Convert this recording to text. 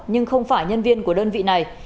nhưng không phải nhân viên của đơn vị này